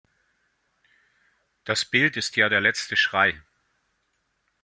Das Bild ist ja der letzte Schrei.